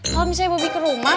kalo misalnya bobby ke rumah